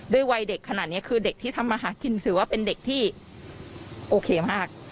วัยเด็กขนาดนี้คือเด็กที่ทำมาหากินถือว่าเป็นเด็กที่โอเคมาก